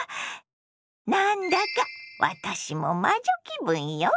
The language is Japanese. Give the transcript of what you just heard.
何だか私も魔女気分よ！